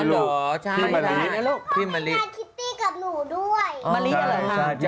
ใช่ลูกพี่มะลินะลูกพ่อไอ้ไซเก็ตกับหนูด้วย